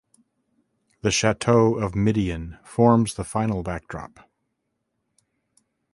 The Chateau of Midian forms the final backdrop.